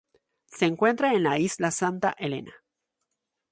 Se encuentra en la Isla Santa Helena.